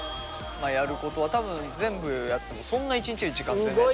やることは多分全部やってもそんな一日で時間全然取らない。